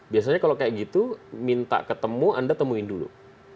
biasanya kalau kayak gitu minta ketemu anda temuin dulu